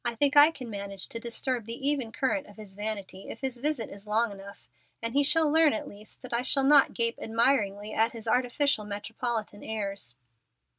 I think I can manage to disturb the even current of his vanity, if his visit is long enough, and he shall learn at least that I shall not gape admiringly at his artificial metropolitan airs."